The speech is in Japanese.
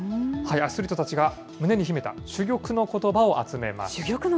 アスリートたちが胸に秘めた珠玉のことばを集めました。